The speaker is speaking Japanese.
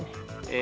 え。